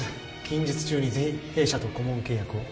近日中にぜひ弊社と顧問契約を。